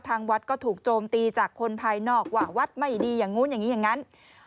ทางวัดก็ถูกโจมตีจากคนภายนอกว่าวัดไม่ดีอย่างนู้นอย่างนี้อย่างนั้น